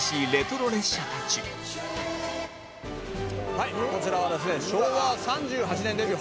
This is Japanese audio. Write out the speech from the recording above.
「はいこちらはですね昭和３８年デビュー